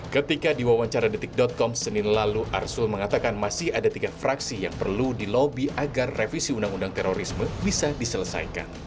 ketika di wawancara detik com senin lalu arsul mengatakan masih ada tiga fraksi yang perlu dilobi agar revisi undang undang terorisme bisa diselesaikan